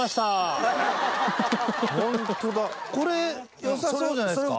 これ良さそうじゃないですか？